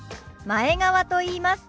前川と言います。